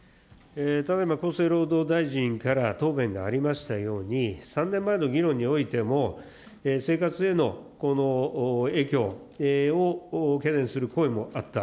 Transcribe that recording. ただいま厚生労働大臣から答弁がありましたように、３年前の議論においても、生活への影響を懸念する声もあった。